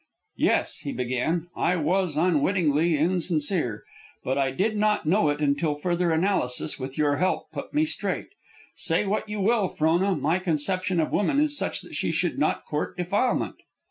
"Yes," he began, "I was unwittingly insincere. But I did not know it until further analysis, with your help, put me straight. Say what you will, Frona, my conception of woman is such that she should not court defilement."